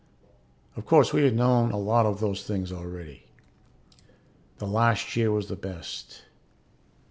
Of course we had known a lot of those things already. The last year was the best.